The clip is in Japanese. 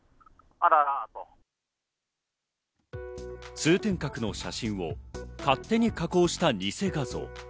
通天閣の写真を勝手に加工したニセ画像。